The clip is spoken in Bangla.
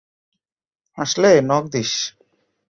আসলে নক দিস।